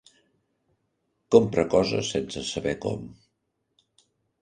Compra coses sense saber com.